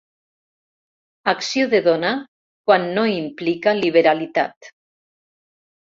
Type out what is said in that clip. Acció de donar quan no implica liberalitat.